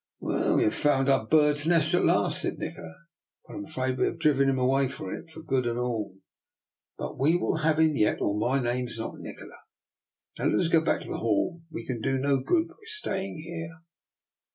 284 I^R NIKOLA'S EXPERIMENT. " We have found our bird's nest at last," said Nikola, " but I am afraid we have driven him away from it for good and all. But we will have him yet, or my name's not Nikola. Now let us go back to the hall; we can do no good by staying here."